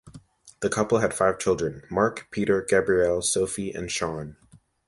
The couple had five children: Mark, Peter, Gabrielle, Sophie and Sean.